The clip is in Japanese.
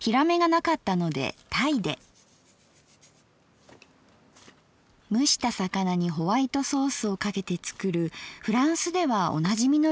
蒸した魚にホワイトソースをかけて作るフランスではおなじみの料理だそう。